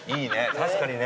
確かにね。